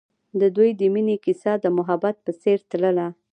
د دوی د مینې کیسه د محبت په څېر تلله.